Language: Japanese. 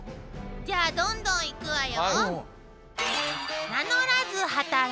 じゃあどんどんいくわよ。